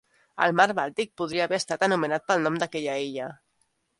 El Mar Bàltic podria haver estat anomenat pel nom d'aquesta illa.